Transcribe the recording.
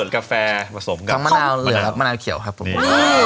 กาแฟผสมกับมะนาวเหลือมะนาวเขียวครับผมนี่